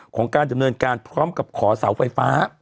ของการดำเนินการพร้อมกับขอเสาไฟฟ้า